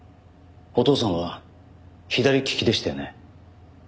お父さんは左利きでしたよね？